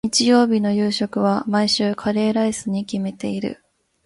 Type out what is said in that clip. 日曜日の夕食は、毎週カレーライスに決めている。